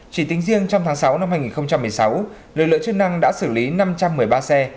chỉ tính riêng trong tháng sáu năm hai nghìn một mươi sáu lực lượng chức năng đã xử lý năm trăm một mươi ba xe